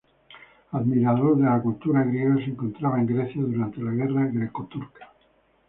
Admirador de la cultura griega, se encontraba en Grecia durante la Guerra Greco-Turca.